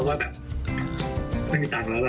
ก็แบบไม่มีตังค์แล้วนะ